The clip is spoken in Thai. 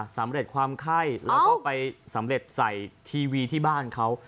สำเร็จความไข้แล้วก็ไปสำเร็จใส่ทีวีที่บ้านเขา